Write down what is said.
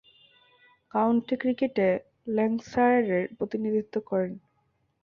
County ক্রিকেটে ল্যাঙ্কাশায়ারের প্রতিনিধিত্ব করেন।